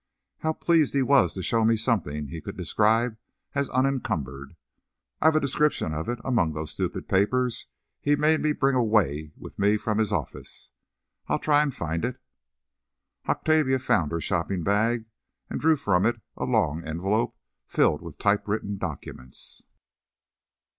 How pleased he was to show me something he could describe as unencumbered! I've a description of it among those stupid papers he made me bring away with me from his office. I'll try to find it." Octavia found her shopping bag, and drew from it a long envelope filled with typewritten documents.